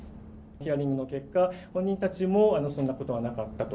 ヒアリングの結果、本人たちもそんなことはなかったと。